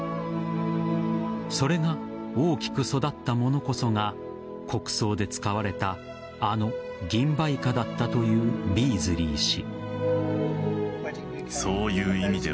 それが大きく育ったものこそが国葬で使われたあのギンバイカだったというビーズリー氏。